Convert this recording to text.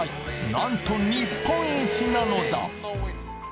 なんと日本一なのだ！